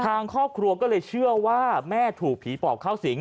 ทางครอบครัวก็เลยเชื่อว่าแม่ถูกผีปอบเข้าสิง